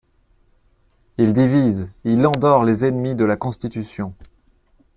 Il divise, il endort les ennemis de la constitution.